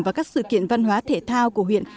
và các sự kiện văn hóa thể thao của huyện